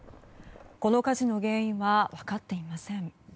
この火事の原因は分かっていません。